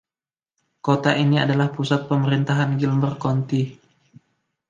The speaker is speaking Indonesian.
Kota ini adalah pusat pemerintahan Gilmer County.